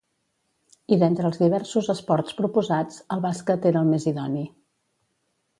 I d'entre els diversos esports proposats, el bàsquet era el més idoni.